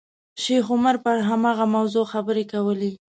شیخ عمر پر هماغه موضوع خبرې کولې.